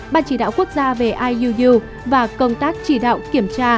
ban chỉ đạo quốc gia về iuu và công tác chỉ đạo kiểm tra